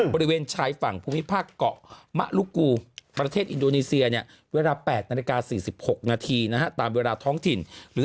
บริเวณชายฝั่งภูมิภาคเกาะมะลุกูประเทศอินโดนีเซียเนี่ยเวลา๘นาฬิกา๔๖นาทีนะฮะตามเวลาท้องถิ่นหรือ